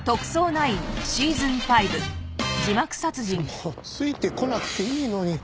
もうついて来なくていいのに。